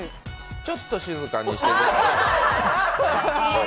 ちょっと静かにしてください。